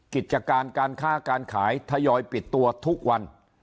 กิจการการค้าการขายทยอยปิดตัวทุกวัน